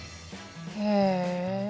へえ。